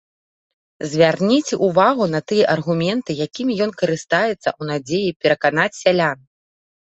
Звярніце ўвагу на тыя аргументы, якімі ён карыстаецца ў надзеі пераканаць сялян.